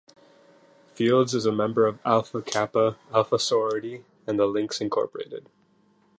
Fields is a member of Alpha Kappa Alpha sorority, and the Links Incorporated.